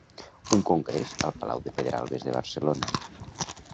Un Congrés al Palau de Pedralbes de Barcelona.